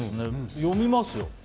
読みますよ